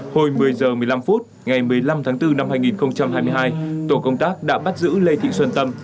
hồi một mươi h một mươi năm phút ngày một mươi năm tháng bốn năm hai nghìn hai mươi hai tổ công tác đã bắt giữ lê thị xuân tâm